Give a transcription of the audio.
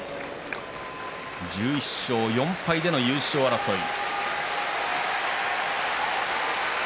１１勝４敗での優勝争い。